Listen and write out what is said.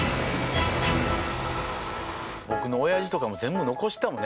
僕の親父とかも全部残してたもんね。